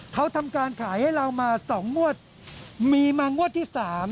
เขาทำการขายให้เรามา๒งวดมีมางวดที่๓